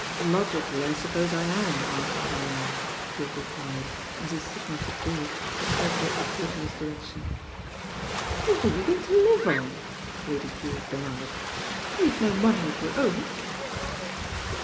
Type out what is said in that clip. "Logically I suppose I am, Aunt Caroline," he had replied, as he signalled to Drewitt to circulate the port in his direction. "What are you going to live on?" Lady Drewitt demanded. "You've no money of your own."